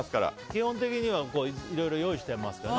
基本的にはいろいろ用意していますから。